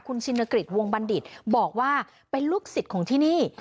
คุณชินกฤษวงบัณฑิตบอกว่าเป็นลูกศิษย์ของที่นี่